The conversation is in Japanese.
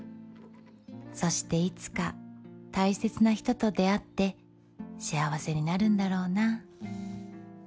そしていつか大切な人と出会って幸せになるんだろうな。